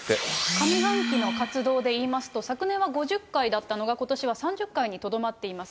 上半期の活動でいいますと、昨年は５０回だったのが、ことしは３０回にとどまっています。